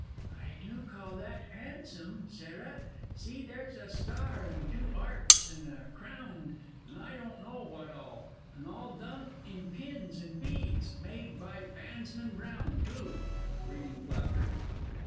I do call that 'andsome, Sarah. See, there's a star, and two 'arps, and a crownd, and I don't know what all and all done in pins and beads! "Made by Bandsman Brown," too! [_Reading placard.